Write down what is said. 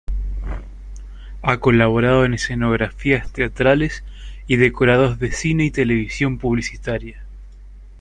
Ha colaborado en escenografías teatrales y decorados de cine y televisión publicitaria.